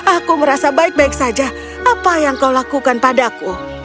aku merasa baik baik saja apa yang kau lakukan padaku